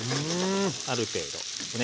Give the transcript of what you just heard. ある程度ね